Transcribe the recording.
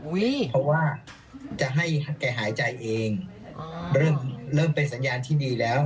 เพราะว่าจะให้แกหายใจเองเริ่มเริ่มเป็นสัญญาณที่ดีแล้ว